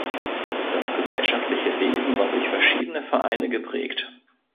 Das gesellschaftliche Leben war durch verschiedene Vereine geprägt.